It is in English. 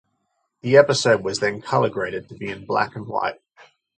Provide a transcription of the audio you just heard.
The episode was then color graded to be in black and white.